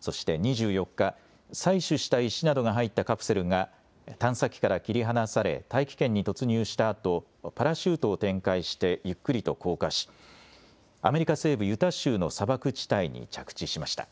そして２４日、採取した石などが入ったカプセルが探査機から切り離され、大気圏に突入したあと、パラシュートを展開してゆっくりと降下し、アメリカ西部ユタ州の砂漠地帯に着地しました。